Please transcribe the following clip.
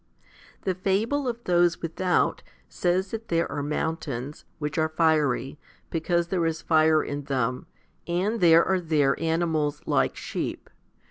5. The fable of those without says that there are moun tains, which are fiery, because there is fire in them, and there are there animals like sheep.